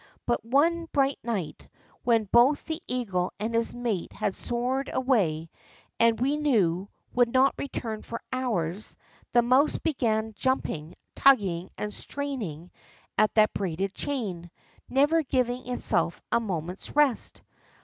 But one bright night, when both the eagle and his mate had soared away and, we knew, would not return for hours, the mouse began jumping, tugging, and straining at that braided chain, never giving itself a moment's rest.